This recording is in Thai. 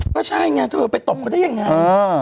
ก็ใช่ไงไปตบเขาได้อย่างไร